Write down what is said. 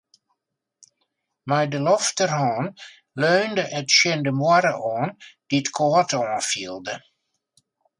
Mei de lofterhân leunde er tsjin de muorre oan, dy't kâld oanfielde.